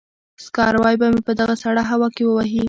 سکاروی به مې په دغه سړه هوا کې ووهي.